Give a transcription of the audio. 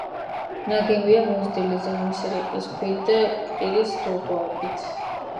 ნაგებია მოზრდილი ზომის რიყის ქვით და კირის დუღაბით.